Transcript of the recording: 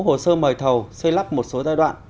hồ sơ mời thầu xây lắp một số giai đoạn